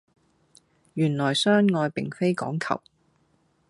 原來相愛並非講求